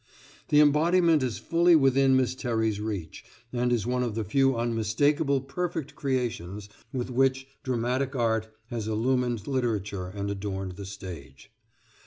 The embodiment is fully within Miss Terry's reach, and is one of the few unmistakably perfect creations with which dramatic art has illumined literature and adorned the stage."